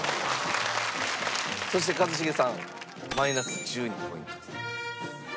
そして一茂さんマイナス１２ポイントです。